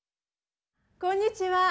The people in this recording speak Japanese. こんにちは。